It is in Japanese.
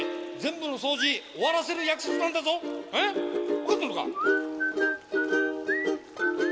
分かってるのか？